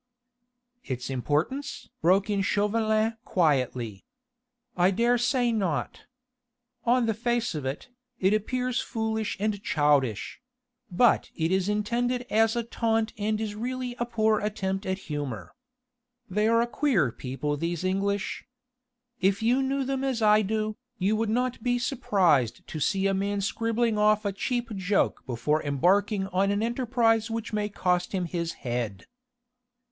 "Its importance?" broke in Chauvelin quietly. "I dare say not. On the face of it, it appears foolish and childish: but it is intended as a taunt and is really a poor attempt at humour. They are a queer people these English. If you knew them as I do, you would not be surprised to see a man scribbling off a cheap joke before embarking on an enterprise which may cost him his head."